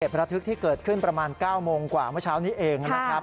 ประทึกที่เกิดขึ้นประมาณ๙โมงกว่าเมื่อเช้านี้เองนะครับ